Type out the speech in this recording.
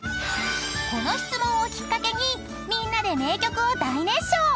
［この質問をきっかけにみんなで名曲を大熱唱］